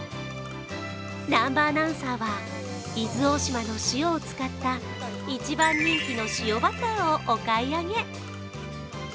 南波アナウンサーは伊豆大島の塩を使った１番人気の塩バターをお買い上げ。